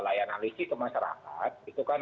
layanan listrik ke masyarakat itu kan